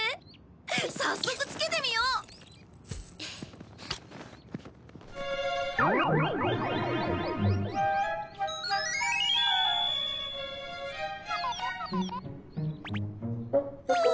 早速つけてみよう！わ！